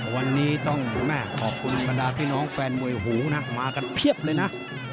วันนี้ต้องแม่ขอบคุณบรรดาพี่น้องแฟนมวยหูนะมากันเพียบเลยนะ